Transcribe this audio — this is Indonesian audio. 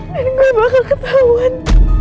dan gue bakal ketauan